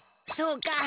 そうか。